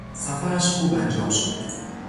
سفرش خوب انجام شد.